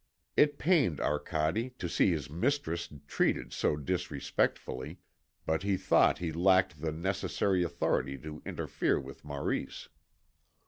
It pained Arcade to see his mistress treated so disrespectfully, but he thought he lacked the necessary authority to interfere with Maurice.